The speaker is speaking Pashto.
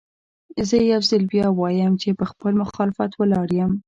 زه يو ځل بيا وايم چې پر خپل مخالفت ولاړ يم.